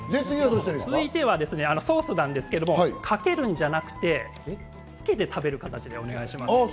続いてはソースなんですけど、かけるんじゃなくて、つけて食べる形でお願いします。